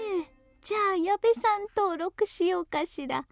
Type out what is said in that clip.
じゃあ矢部さん登録しようかしら。